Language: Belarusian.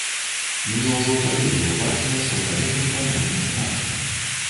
Мне ўжо тады было бачна, што калегам банальна страшна.